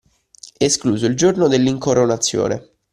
Escluso il giorno dell’incoronazione.